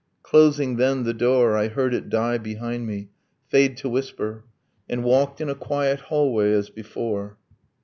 ... Closing then the door I heard it die behind me, fade to whisper, And walked in a quiet hallway as before.